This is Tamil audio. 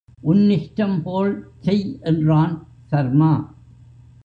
உன்னிஷ்டம் போல் செய் என்றான் சர்மா.